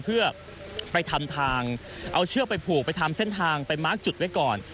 เพื่อไปทำทางเอาเชือกไปผูกไปทำเส้นทางไปมาร์คจุดไว้ก่อน